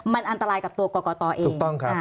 มันอันตรายกับตัวกรกตเอง